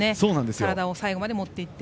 体を最後まで持っていって。